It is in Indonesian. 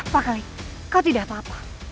pak kaling kau tidak apa apa